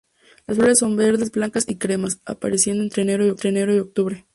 Las flores son verdes, blancas y cremas; apareciendo entre enero y octubre.